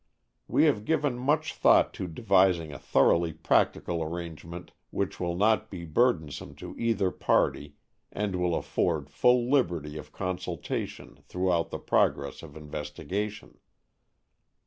We have given much thought to devising a thoroughly practical arrangement which will not be burdensome to either party and will afford full liberty of consultation throughout the progress of investigation.